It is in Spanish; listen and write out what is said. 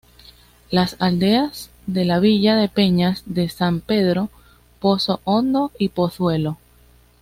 Las aldeas de la villa de Peñas de San Pedro: Pozo-Hondo y Pozuelo.